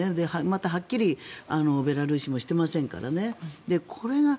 また、はっきりベラルーシもしていませんから。